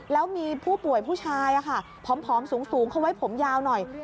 แล้วมีผู้ป่วยผู้ชายผอมสูงเขาไว้ผมยาวหน่อย